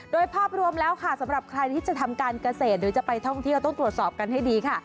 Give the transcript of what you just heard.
โดยภาพรวมแล้วค่ะสำหรับใครที่จะทำการเกษตรหรือจะไปท่องเที่ยวต้องตรวจสอบกันให้ดีค่ะ